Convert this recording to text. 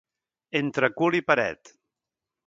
Entre cul i paret.